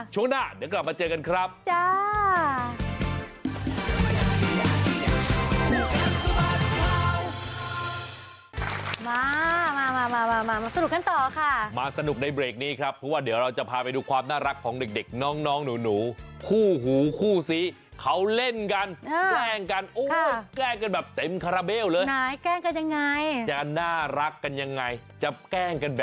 ช่วงหน้าเดี๋ยวกลับมาเจอกันครับจ้า